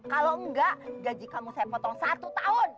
kalau enggak gaji kamu saya potong satu tahun